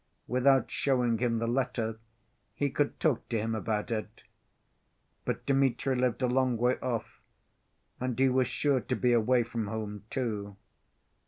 Without showing him the letter, he could talk to him about it. But Dmitri lived a long way off, and he was sure to be away from home too.